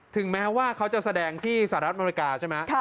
ถึงแม้ว่าเขาจะแสดงที่สหรัฐอเมริกาใช่ไหม